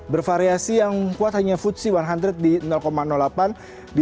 bervariasi yang kuat hanya fujifilm seratus di delapan